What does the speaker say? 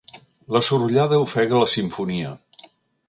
La sorollada ofega la simfonia.